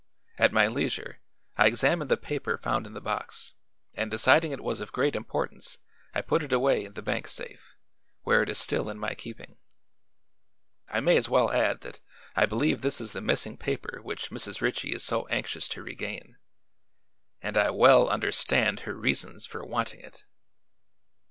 At my leisure I examined the paper found in the box and deciding it was of great importance I put it away in the bank safe, where it is still in my keeping. I may as well add that I believe this is the missing paper which Mrs. Ritchie is so anxious to regain and I well understand her reasons for wanting it."